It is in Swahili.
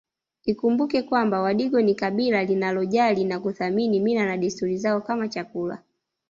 Ikumbukwe kwamba wadigo ni kabila linalojali na kuthamini mila na desturi zao kama chakula